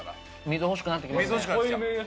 水欲しくなってきた。